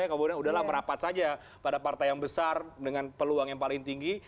kemudian udahlah merapat saja pada partai yang besar dengan peluang yang paling tinggi